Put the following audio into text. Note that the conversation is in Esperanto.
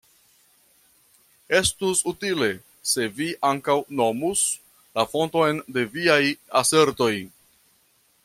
Estus utile, se vi ankaŭ nomus la fonton de viaj asertoj.